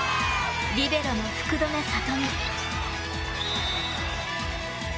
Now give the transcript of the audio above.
リベロの福留慧美。